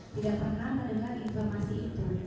tidak pernah mendengar informasi itu